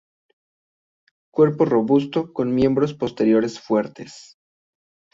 Cuerpo robusto con miembros posteriores fuertes.